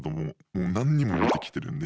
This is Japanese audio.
もう何人も見てきてるんで。